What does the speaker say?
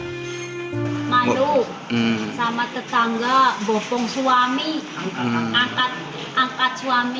malu sama tetangga bopong suami angkat suami